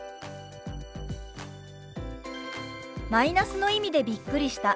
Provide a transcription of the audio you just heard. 「マイナスの意味でびっくりした」。